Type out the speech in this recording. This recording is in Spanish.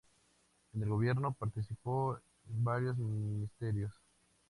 En el gobierno, participó en varios ministerios.